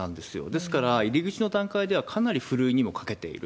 ですから、入り口の段階では、かなりふるいにもかけている。